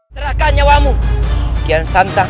serahkan nyawamu kian santang